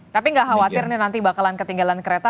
tapi nggak khawatir nih nanti bakalan ketinggalan kereta